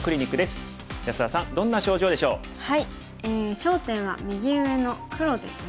焦点は右上の黒ですね。